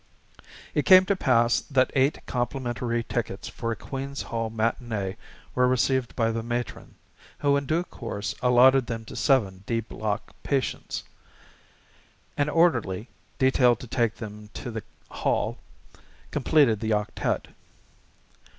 It came to pass that eight complimentary tickets for a Queen's Hall matinée were received by the Matron, who in due course allotted them to seven "D" Block patients. An orderly, detailed to take them to the hall, completed the octette.